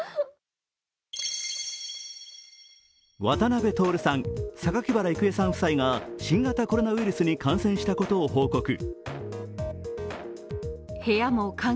渡辺徹さん、榊原郁恵さん夫妻が新型コロナウイルスに感染したことを報告。